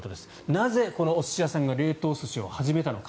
なぜこのお寿司屋さんが冷凍寿司を始めたのか。